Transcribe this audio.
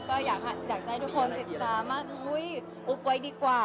ก็อยากให้ทุกคนมาอุ๊บไว้ดีกว่า